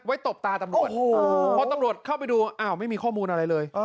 ตบตาตำรวจพอตำรวจเข้าไปดูอ้าวไม่มีข้อมูลอะไรเลย